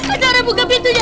ajaran buka pintunya